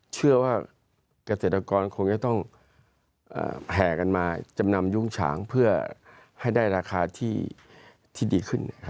เชื่อว่าเกษตรกรคงจะต้องแผ่กันมาจำนำยุ้งฉางเพื่อให้ได้ราคาที่ดีขึ้น